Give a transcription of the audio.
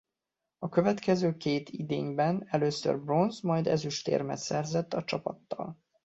A következő két idényben először bronz- majd ezüstérmet szerzett a csapattal.